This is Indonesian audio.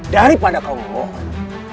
daripada kau mohon